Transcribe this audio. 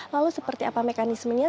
lalu seperti apa mekanismenya